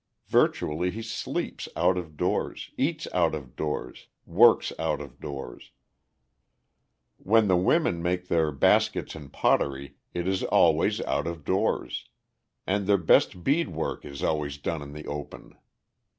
Virtually he sleeps out of doors, eats out of doors, works out of doors. When the women make their baskets and pottery, it is always out of doors, and their best beadwork is always done in the open.